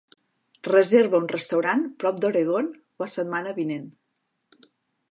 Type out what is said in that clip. Reserva un restaurant prop d'Oregon la setmana vinent